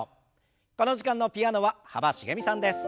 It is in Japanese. この時間のピアノは幅しげみさんです。